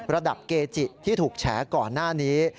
เกจิที่ถูกแฉก่อนหน้านี้